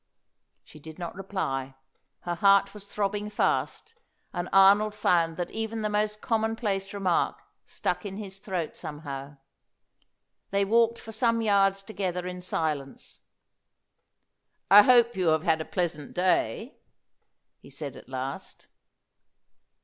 She did not reply; her heart was throbbing fast, and Arnold found that even the most commonplace remark stuck in his throat somehow. They walked for some yards together in silence. "I hope you have had a pleasant day," he said at last.